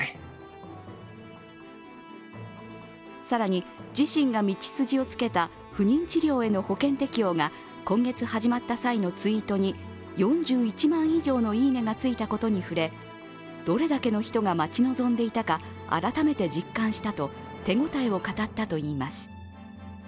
更に自身が道筋をつけた不妊治療への保険適用が今月始まった際のツイートに４１万以上のいいねがついたことに触れ、どれだけの人が待ち望んでいたか改めて実感したと手応えを語ったといいます。